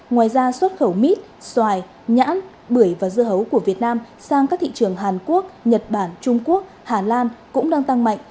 ngoài ra xuất khẩu mít xoài nhãn bưởi và dưa hấu của việt nam sang các thị trường hàn quốc nhật bản trung quốc hà lan cũng đang tăng mạnh